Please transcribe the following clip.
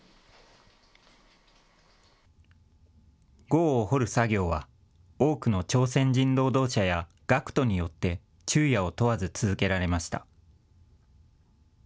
ごうを掘る作業は、多くの朝鮮人労働者や学徒によって昼夜を問わず続けられました。